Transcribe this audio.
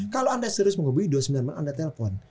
kalau anda serius mau ngobrol dua puluh sembilan malam anda telpon